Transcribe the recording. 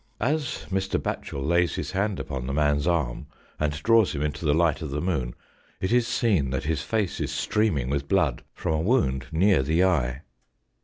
As Mr. Batchel lays his hand upon the man's arm and draws him into the light of the moon, it is seen that his face is streaming with blood from a wound near the eye.